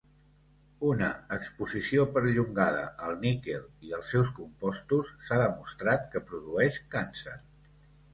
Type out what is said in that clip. Una exposició perllongada al níquel i els seus compostos s'ha demostrat que produeix càncer.